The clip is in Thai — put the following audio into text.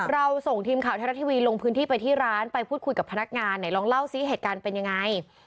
เราส่งทีมข่าวไทยรัฐทีวีลงพื้นที่ไปที่ร้านไปพูดคุยกับพนักงานไหนลองเล่าสิเหตุการณ์เป็นยังไง